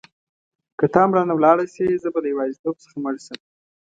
که ته هم رانه ولاړه شې زه به له یوازیتوب څخه مړ شم.